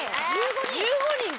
１５人か。